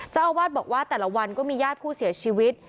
เจ้าอาวาสบอกว่าแต่ละวันก็มีญาติผู้เสียชีวิต